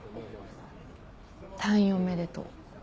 退院おめでとう。